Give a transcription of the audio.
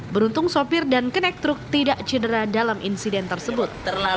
beruntung sopir dan kenek truk tidak cedera dalam insiden tersebut